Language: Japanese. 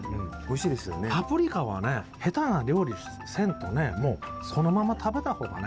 パプリカはね下手な料理せんとねそのまま食べた方がね